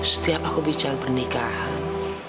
setiap aku bicara pernikahan